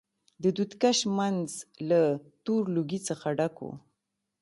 د دود کش منځ له تور لوګي څخه ډک و.